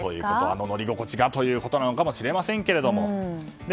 あの乗り心地がということなのかもしれませんけども。